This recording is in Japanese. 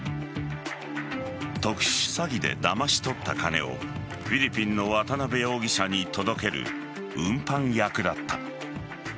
特殊詐欺でだまし取った金をフィリピンの渡辺容疑者に届ける運搬役だった。